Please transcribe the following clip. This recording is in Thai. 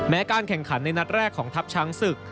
การแข่งขันในนัดแรกของทัพช้างศึก